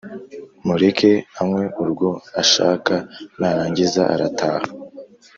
Mureke anywe urwo ashaka narangiza arataha